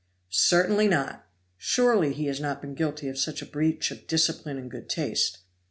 "Certainly not! Surely he has not been guilty of such a breach of discipline and good taste."